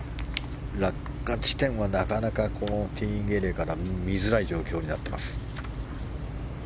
落下地点はなかなかティーイングエリアから見づらい状況になっています。